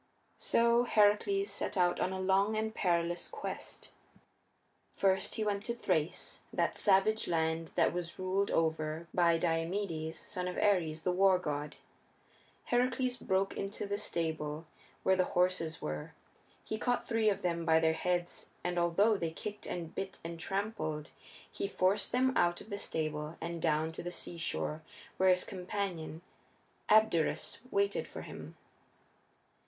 So Heracles set out on a long and perilous quest. First he went to Thrace, that savage land that was ruled over by Diomedes, son of Ares, the war god. Heracles broke into the stable where the horses were; he caught three of them by their heads, and although they kicked and bit and trampled he forced them out of the stable and down to the seashore, where his companion, Abderus, waited for him.